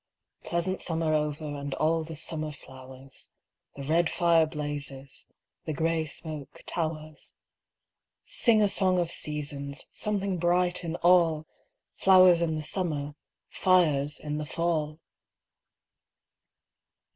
Pleasant summer over And all the summer flowers, The red fire blazes, The grey smoke towers. Sing a song of seasons! Something bright in all! Flowers in the summer, Fires in the fall!